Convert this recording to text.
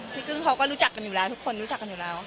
กึ้งเขาก็รู้จักกันอยู่แล้วทุกคนรู้จักกันอยู่แล้ว